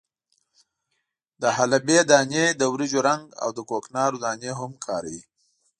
د حلبې دانې، د وریجو رنګ او د کوکنارو دانې هم کاروي.